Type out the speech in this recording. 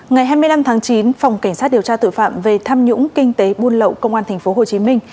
ngày hai mươi năm tháng chín phòng cảnh sát điều tra tội phạm về tham nhũng kinh tế buôn lậu công an tp hcm